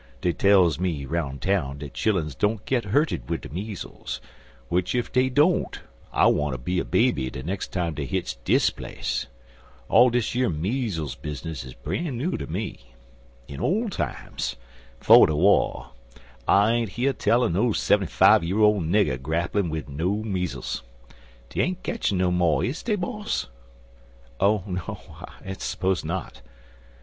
Dey tells me 'roun' town dat chilluns don't git hurted wid de meezles, w'ich ef dey don't I wanter be a baby de nex' time dey hits dis place. All dis yer meezles bizness is bran' new ter me. In ole times, 'fo' de wah, I ain't heer tell er no seventy fi' year ole nigger grapplin' wid no meezles. Dey ain't ketchin' no mo', is dey, boss?" "Oh, no I suppose not."